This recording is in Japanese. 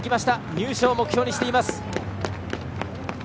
入賞を目標にしています。